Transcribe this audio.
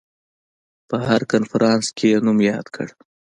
په هر کنفرانس کې یې نوم یاد کړ.